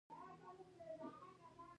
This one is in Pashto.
هغه له بازار څخه اومه مواد او د سون توکي پېري